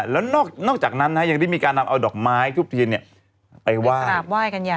แล้วนอกจากนั้นยังได้มีการนำเอาดอกไม้ทุกทีไปว่าย